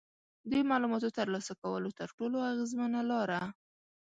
د معلوماتو ترلاسه کولو تر ټولو اغیزمنه لاره